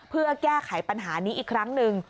เพื่อแก้ไขปัญหานี้อีกครั้งหนึ่ง